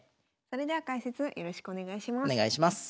それでは解説よろしくお願いします。